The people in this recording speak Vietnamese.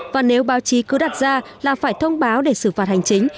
và nếu báo chí cứ đặt ra là phải thông báo để xử phạt hành chính